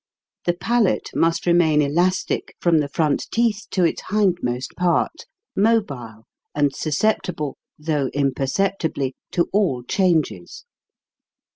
The palate must remain elastic from the front teeth to its hindmost part, mobile and susceptible, though imper ceptibly, to all changes.